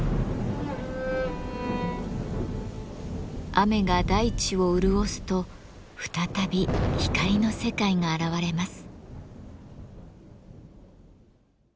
雨が大地を潤すと再び光の世界が現れます。